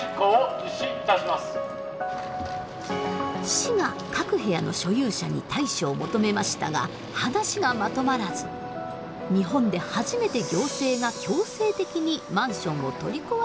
市が各部屋の所有者に対処を求めましたが話がまとまらず日本で初めて行政が強制的にマンションを取り壊すことに。